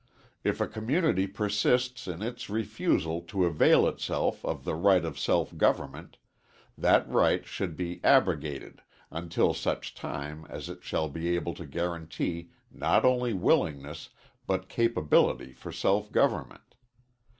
If a community persists in its refusal to avail itself of the right of self government, that right should be abrogated until such time as it shall be able to guarantee not only willingness, but capability for self government.